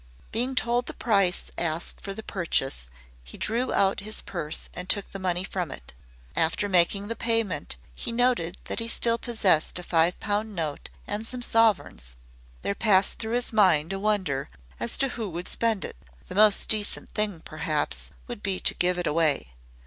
Being told the price asked for the purchase, he drew out his purse and took the money from it. After making the payment he noted that he still possessed a five pound note and some sovereigns. There passed through his mind a wonder as to who would spend it. The most decent thing, perhaps, would be to give it away.